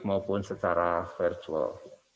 maupun secara virtual